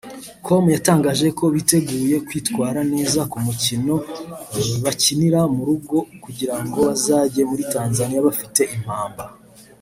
com yatangaje ko biteguye kwitwara neza ku mukino bakinira mu rugo kugirango bazajye muri Tanzaniya bafite impamba